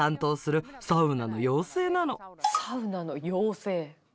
サウナの妖精？